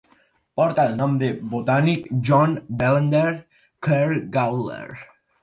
Porta el nom del botànic John Bellenden Ker Gawler.